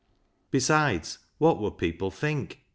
Besides, what would people think